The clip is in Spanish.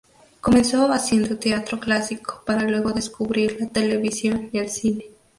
Comenzó haciendo teatro clásico para luego descubrir la televisión y el cine.